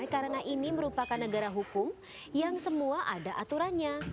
karena ini merupakan negara hukum yang semua ada aturannya